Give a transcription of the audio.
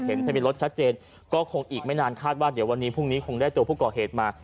ทะเบียรถชัดเจนก็คงอีกไม่นานคาดว่าเดี๋ยววันนี้พรุ่งนี้คงได้ตัวผู้ก่อเหตุมา